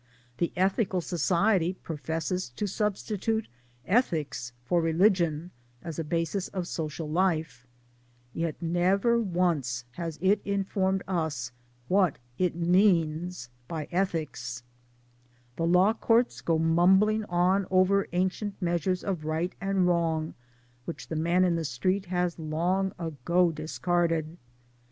The Ethical society professes to substitute Ethics for Religion, as a basis of social life ; yet never once has it informed us what it means by Ethics 1 The Law courts go mumbling on over ancient measures of right and wrong which the man in the street has long ago discarded.